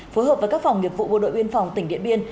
phối hợp với các phòng nghiệp vụ bộ đội biên phòng tỉnh điện biên